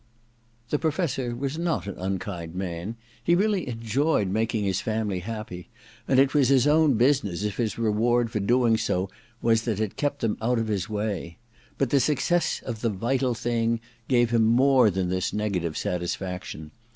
The Professor was not an unkind man. He really enjoyed making his family happy ; and it was his own business if his reward for so doing was that it kept them out of his way. But the success of * The Vital Thing * gave him more than this negative satisfaction.